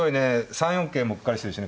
３四桂もうっかりしてるしね